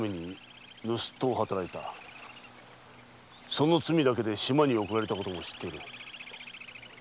その罪だけで島に送られたことも知っている。